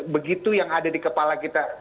begitu yang ada di kepala kita